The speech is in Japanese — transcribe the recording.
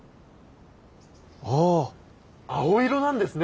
ああ青色なんですね！